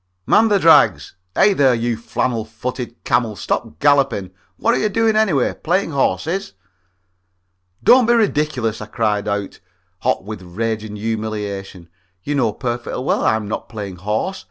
_ "Man the drags! Hey, there, you flannel footed camel, stop galloping! What are you doing, anyway playing horses?" "Don't be ridiculous," I cried out, hot with rage and humiliation; "you know perfectly well I'm not playing horse.